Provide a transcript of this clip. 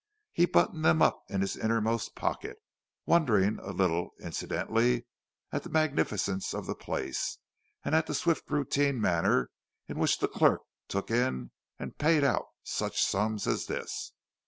He buttoned them up in his inmost pocket, wondering a little, incidentally, at the magnificence of the place, and at the swift routine manner in which the clerk took in and paid out such sums as this.